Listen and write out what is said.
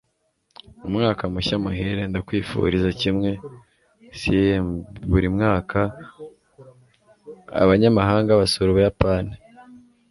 Umwaka mushya muhire!" "Ndakwifuriza kimwe!" (CMBuri mwaka abanyamahanga basura Ubuyapani.